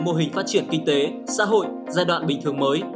mô hình phát triển kinh tế xã hội giai đoạn bình thường mới